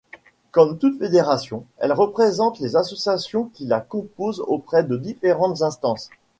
Comme toute fédération, elle représente les associations qui la composent auprès de différentes instances.